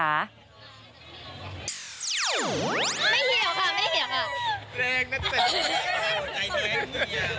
ไม่เหี่ยวค่ะไม่เหี่ยวค่ะ